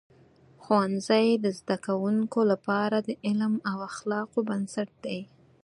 ښوونځي د زده کوونکو لپاره د علم او اخلاقو بنسټ دی.